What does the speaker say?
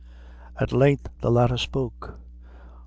At length the latter spoke.